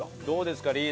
どうですか？